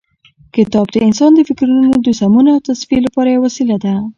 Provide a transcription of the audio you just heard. کتاب د انسان د فکرونو د سمون او تصفیې لپاره یوه وسیله ده.